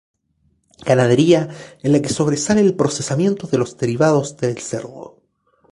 Ganadería en la que sobresale el procesamiento de los derivados del cerdo.